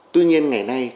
tuy nhiên ngày nay